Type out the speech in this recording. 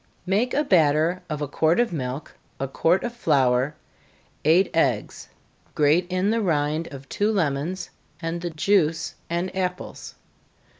Make a batter of a quart of milk, a quart of flour, eight eggs grate in the rind of two lemons, and the juice and apples.